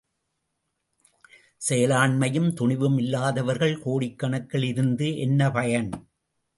செயலாண்மையும் துணிவும் இல்லாதவர்கள் கோடிக்கணக்கில் இருந்து என்ன பயன்?